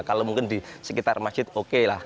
kalau mungkin di sekitar masjid oke lah